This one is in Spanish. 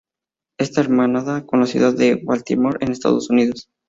Está hermanada con la ciudad de Baltimore, en Estados Unidos.